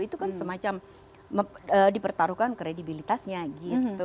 itu kan semacam dipertaruhkan kredibilitasnya gitu